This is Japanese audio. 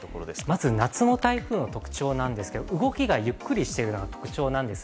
まず夏の台風の特徴なんですが動きがゆっくりしているのが特徴なんです。